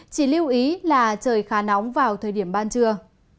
chỉ lưu ý là trời khá nóng vào thời điểm ban trưa